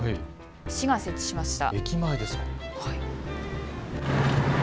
市が設置しました。